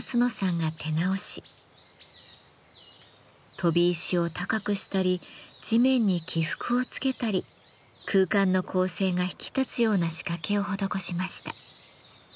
飛び石を高くしたり地面に起伏をつけたり空間の構成が引き立つような仕掛けを施しました。